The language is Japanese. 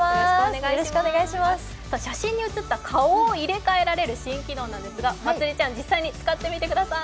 写真に写った顔を入れ替えられる新機能なんですが、まつりちゃん実際に使ってみてください。